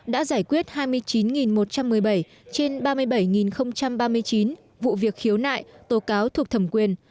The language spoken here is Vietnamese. đã giải quyết hai mươi chín một trăm một mươi bảy trên ba mươi bảy ba mươi chín vụ việc khiếu nại tố cáo thuộc thẩm quyền